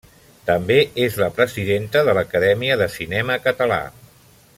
També és la presidenta de l'Acadèmia de Cinema Català.